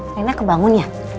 lena kebangun ya